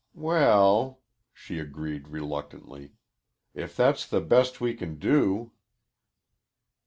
"Well," she agreed reluctantly. "If that's the best we can do."